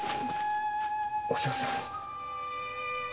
お嬢さん。